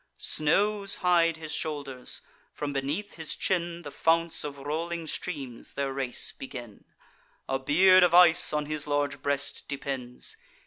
Snows hide his shoulders; from beneath his chin The founts of rolling streams their race begin; A beard of ice on his large breast depends.